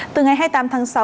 từ ngày hai mươi tám tháng sáu